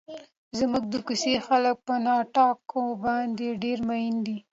زموږ د کوڅې خلک په ټاکنو باندې ډېر مین دي.